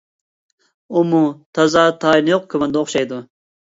ئۇمۇ تازا تايىنى يوق كوماندا ئوخشايدۇ.